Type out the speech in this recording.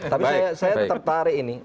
tapi saya tertarik ini